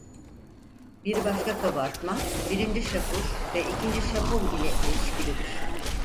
Bir başka kabartma birinci Şapur ve ikinci Şapur ile ilişkilidir.